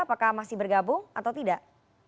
apakah masih bergabung atau tidak